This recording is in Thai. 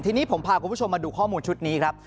ทีนี้ผมพาคุณผู้ชมมาดูข้อมูลชุดนี้ครับ